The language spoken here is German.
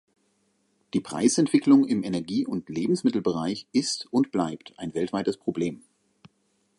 Die Preisentwicklung im Energie- und Lebensmittelbereich ist und bleibt ein weltweites Problem.